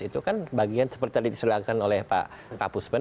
itu kan bagian seperti yang diserahkan oleh pak kapuspen